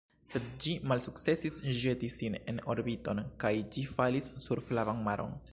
Sed ĝi malsukcesis ĵeti sin en orbiton, kaj ĝi falis sur Flavan Maron.